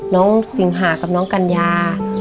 สิงหากับน้องกัญญา